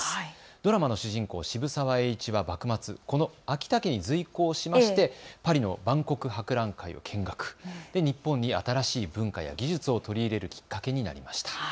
ドラマの主人公、渋沢栄一は幕末、この昭武に随行しましてパリの万国博覧会を見学、日本に新しい文化や技術を取り入れるきっかけになりました。